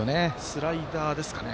スライダーですかね。